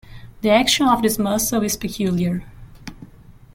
The action of this muscle is peculiar.